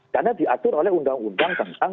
karena diatur oleh undang undang tentang